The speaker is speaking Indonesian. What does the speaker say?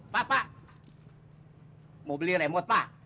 pak pak mau beli remote pak